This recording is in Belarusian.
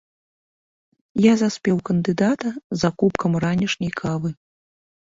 Я заспеў кандыдата за кубкам ранішняй кавы.